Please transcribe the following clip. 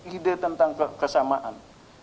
ide tentang kesamaan